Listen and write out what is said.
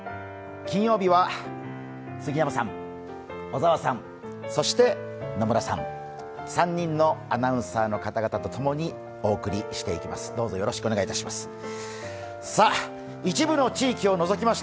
金曜日は杉山さん、小沢さん、そして野村さん、３人のアナウンサーの方々とともにお送りしてまいります。